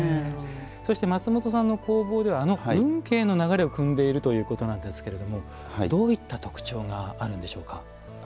そして松本さんの工房はあの運慶の流れをくんでいるということなんですけれどもどういった特徴があるんでしょうか。